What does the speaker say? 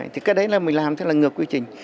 thì cái đấy là mình làm thế là ngược quy trình